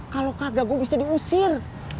kalau kagak gue bisa diusir